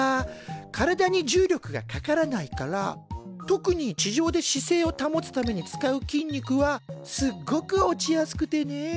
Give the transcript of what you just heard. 体に重力がかからないから特に地上で姿勢を保つために使う筋肉はすっごく落ちやすくてね。